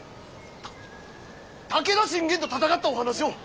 た武田信玄と戦ったお話を。